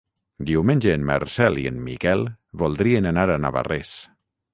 Diumenge en Marcel i en Miquel voldrien anar a Navarrés.